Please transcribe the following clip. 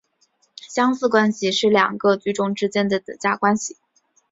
相似关系是两个矩阵之间的一种等价关系。